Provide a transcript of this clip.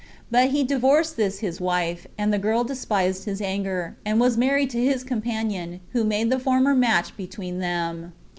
But he divorced this his wife; and the girl despised his anger, and was married to his companion, who made the former match between them.